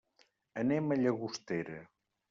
Anem a Llagostera.